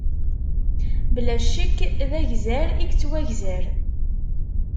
Mebla ccekk, d agzar i yettwagzer.